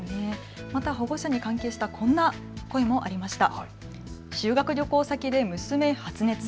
保護者に関係したこんな声もありました。